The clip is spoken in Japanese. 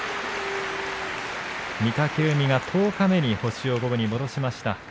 御嶽海が十日目に星を五分に戻しました。